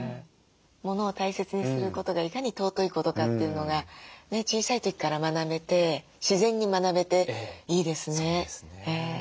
物を大切にすることがいかに尊いことかというのが小さい時から学べて自然に学べていいですね。